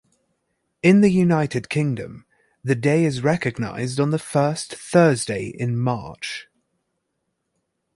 In the United Kingdom, the day is recognized on the first Thursday in March.